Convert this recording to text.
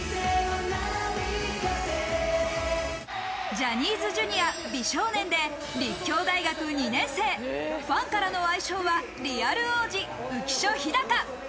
ジャニーズＪｒ．、美少年で立教大学２年生、ファンからの愛称はリアル王子、浮所飛貴。